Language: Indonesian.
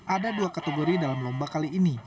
ada dua kategori dalam lomba kali ini